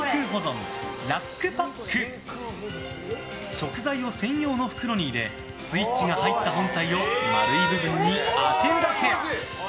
食材を専用の袋に入れスイッチが入った本体を丸い部分に当てるだけ。